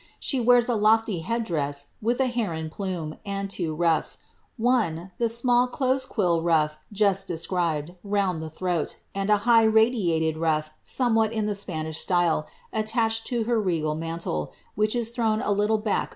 She weara a lofly head dress, with a plume, and two ruffe, one, the small close quilled ruff just de d, round the throat, and a high, radiated ru^ somewhat in the ih style, attached to her regal mantle, which is thrown a little back